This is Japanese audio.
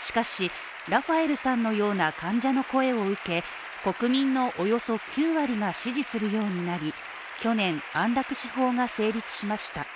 しかし、ラファエルさんのような患者の声を受け、国民のおよそ９割が支持するようになり去年、安楽死法が成立しました。